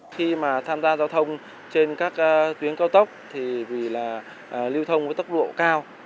khi mà tham gia giao thông trên các tuyến cao tốc thì vì là lưu thông với tốc độ cao